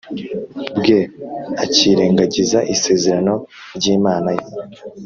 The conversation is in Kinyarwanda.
bwe Akirengagiza isezerano ry Imana ye